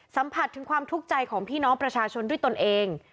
สัมผัสถึงความทุกข์ใจของพี่น้องประชาชนด้วยตนเอง